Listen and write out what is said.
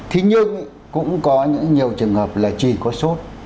thế nhưng cũng có những nhiều trường hợp là chỉ có sốt